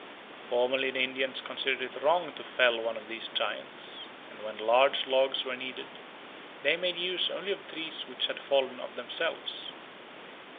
Formerly the Indians considered it wrong to fell one of these giants, and when large logs were needed they made use only of trees which had fallen of themselves.